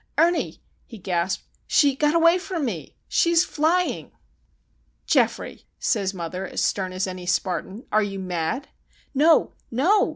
"Ernie!" he gasped. "She got away from me. She's flying!" "Geoffrey!" says mother, stern as any Spartan, "are you mad?" "No! no!"